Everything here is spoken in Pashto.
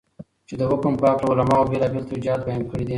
چې دحكم په هكله علماؤ بيلابيل توجيهات بيان كړي دي.